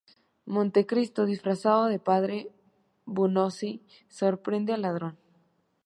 Montecristo, disfrazado de Padre Busoni, sorprende al ladrón.